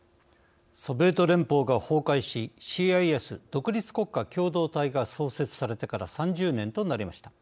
ソビエト連邦が崩壊しＣＩＳ＝独立国家共同体が創設されてから３０年となりました。